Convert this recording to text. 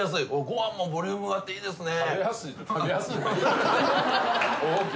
ご飯もボリュームがあっていいですね。